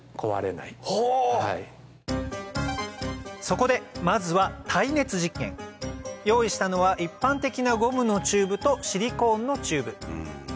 そこでまずは耐熱実験用意したのは一般的なゴムのチューブとシリコーンのチューブ